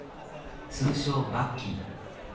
通称バッキー。